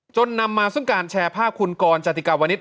นำมาซึ่งการแชร์ภาพคุณกรจติกาวนิต